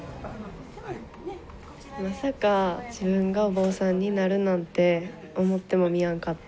まさか自分がお坊さんになるなんて思ってもみやんかった。